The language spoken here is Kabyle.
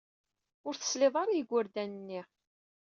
Ur tesliḍ ara i yigurdan-nni.